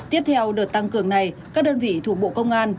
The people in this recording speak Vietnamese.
tiếp theo đợt tăng cường này các đơn vị thuộc bộ công an